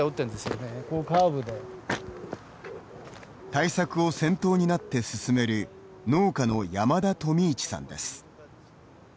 対策を先頭になって進める農家の山田富市さんです。